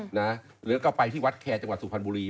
หรือก็ไปที่วัดแคร์จังหวัดสุพรรณบุรี